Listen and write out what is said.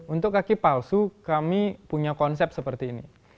untuk kaki palsu kami punya konsep seperti ini